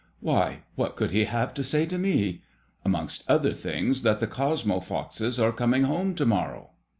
" Why, what could he have to say to me ?" "Amongst other things, that the Cosmo Poxes are coming home to morrow."